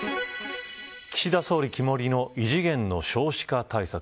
岸田総理肝いりの異次元の少子化対策。